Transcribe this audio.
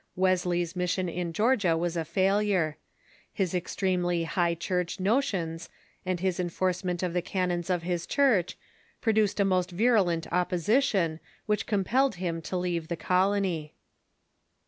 Wesley's mis sion in Georgia was a failure. His extremely High Church notions, and his enforcement of the canons of his Cluircli, |)ro duced a most virulent opposition, which compelled him to leave the colony.